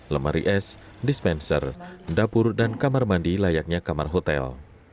lemari es dispenser dapur dan kamar mandi layaknya kamar hotel